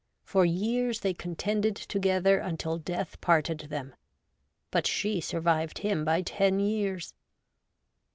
For years they contended together until death parted them. But she survived him by ten years.